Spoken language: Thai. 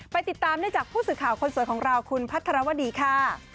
ติดตามได้จากผู้สื่อข่าวคนสวยของเราคุณพัทรวดีค่ะ